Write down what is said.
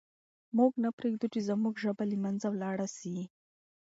موږ نه پرېږدو چې زموږ ژبه له منځه ولاړه سي.